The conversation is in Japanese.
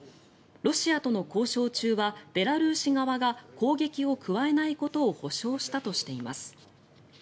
ロシアとの交渉中はベラルーシ側が攻撃を加えないことを保証したとしています。